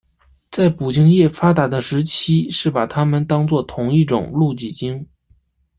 在捕鲸业发达的时期是把它们当成同一种露脊鲸。